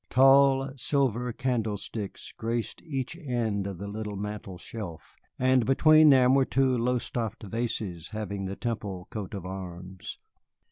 Tall silver candlesticks graced each end of the little mantel shelf, and between them were two Lowestoft vases having the Temple coat of arms.